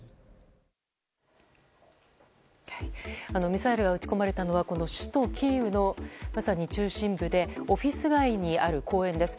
ミサイルが撃ち込まれたのは首都キーウのまさに中心部でオフィス街にある公園です。